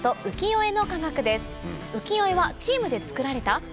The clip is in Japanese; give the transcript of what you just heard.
浮世絵はチームで作られた？